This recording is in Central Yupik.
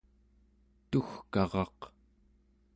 tugkaraq